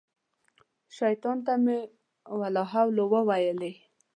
شیطان ته مې لا حول وویلې.